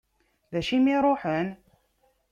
D acu i m-iruḥen?